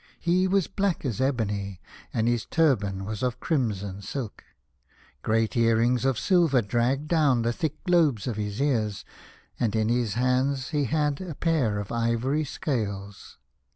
He was black as ebony, and his turban was of crimson silk. Great earrings of silver dragged down the thick lobes of his ears, and in his hands he had a pair of ivory scales.